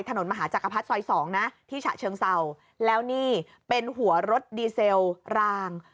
ถนนมหาจักรพรรดิซอยสองนะที่ฉะเชิงเศร้าแล้วนี่เป็นหัวรถดีเซลราง